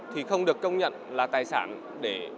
thì không được công nhận là tài sản để